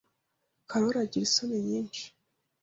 Karoli agira isoni nyinshi.